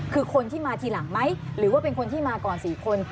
คือคนที่มาทีหลังไหมหรือว่าเป็นคนที่มาก่อน๔คน